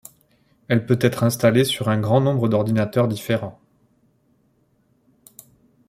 Elle peut être installée sur un grand nombre d'ordinateurs différents.